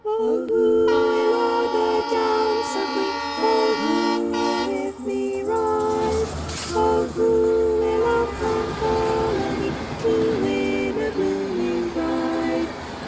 "Oh, who will o'er the downs so free, Oh, who will with me ride, Oh, who will up and follow me, To win a blooming bride?